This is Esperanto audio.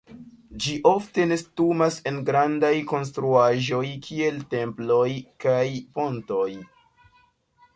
Ĝi ofte nestumas en grandaj konstruaĵoj kiel temploj kaj pontoj.